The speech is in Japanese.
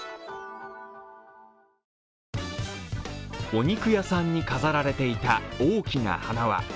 お肉屋さんに飾られていた大きな花輪。